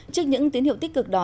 trước những tiến hiệu tích cực đó